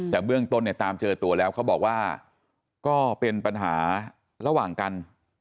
แต่เบื้องต้นเนี่ยตามเจอตัวแล้วเขาบอกว่าก็เป็นปัญหาระหว่างกัน